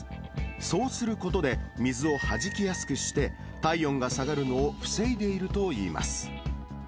そうすることで、水をはじきやすくして、体温が下がるのを防いでいるといいます。